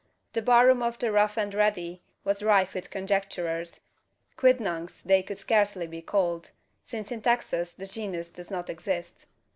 The bar room of the "Rough and Ready" was rife with conjecturers quidnuncs they could scarcely be called: since in Texas the genus does not exist.